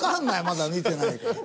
まだ見てない。